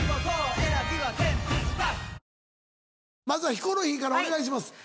ヒコロヒーからお願いします。